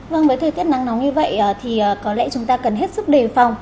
vâng với thời tiết nắng nóng như vậy thì có lẽ chúng ta cần hết sức đề phòng